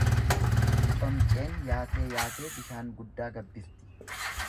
Conceen yaatee yaatee bishaan guddaa gabbifti.